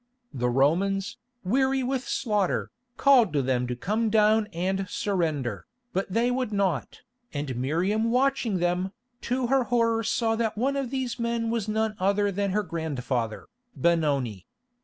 The Romans, weary with slaughter, called to them to come down and surrender, but they would not, and Miriam watching them, to her horror saw that one of these men was none other than her grandfather, Benoni.